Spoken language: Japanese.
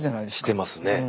してますね。